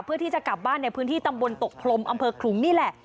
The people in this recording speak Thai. เพื่อที่จะกลับบ้านในพื้นที่ตำบลตกพรมอำเภอขลุงนี่แหละ